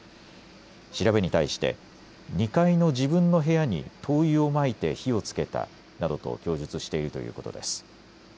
調べに対して２階の自分の部屋に灯油をまいて火をつけたなどと供述しているということです。